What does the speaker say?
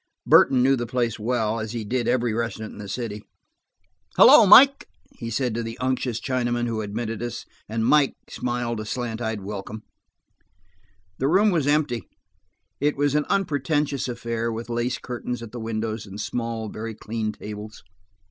Burton knew the place well, as he did every restaurant in the city. "Hello, Mike," he said to the unctuous Chinaman who admitted us. And "Mike" smiled a slant eyed welcome. The room was empty; it was an unpretentious affair, with lace curtains at the windows and small, very clean tables.